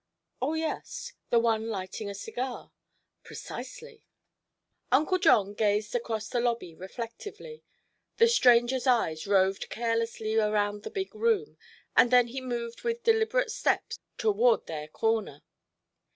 "Oh, yes; the one lighting a cigar." "Precisely." Uncle John gazed across the lobby reflectively. The stranger's eyes roved carelessly around the big room and then he moved with deliberate steps toward their corner.